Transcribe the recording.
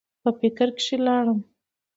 پۀ فکر کښې لاړم ـ